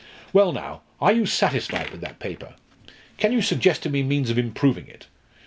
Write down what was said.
Well, now, are you satisfied with that paper? Can you suggest to me means of improving it?